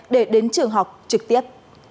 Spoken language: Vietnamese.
để đến trường học trực tiếp